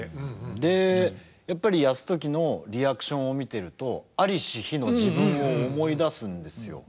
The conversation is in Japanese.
でやっぱり泰時のリアクションを見てると在りし日の自分を思い出すんですよ。